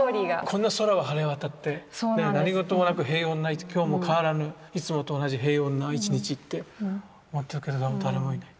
こんな空は晴れ渡って何事もなく平穏な今日も変わらぬいつもと同じ平穏な一日って思ってるけど誰もいない。